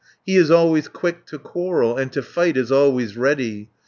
He is always quick to quarrel, And to fight is always ready.